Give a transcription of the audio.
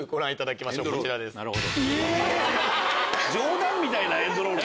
冗談みたいなエンドロール。